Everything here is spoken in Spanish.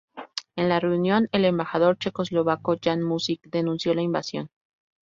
En la reunión, el embajador checoslovaco Jan Muzik denunció la invasión.